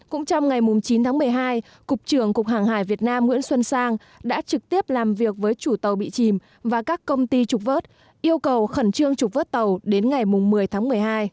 cũng trong ngày chín tháng một mươi hai cục trưởng cục hàng hải việt nam nguyễn xuân sang đã trực tiếp làm việc với chủ tàu bị chìm và các công ty trục vớt yêu cầu khẩn trương trục vớt tàu đến ngày một mươi tháng một mươi hai